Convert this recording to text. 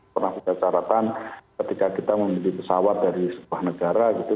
pernah kita carakan ketika kita memilih pesawat dari sebuah negara gitu